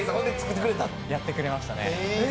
やってくれましたね。